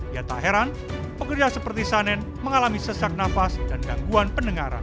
ia tak heran pekerja seperti sanen mengalami sesak nafas dan gangguan pendengaran